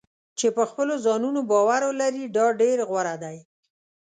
چې په خپلو ځانونو باور ولري دا ډېر غوره دی.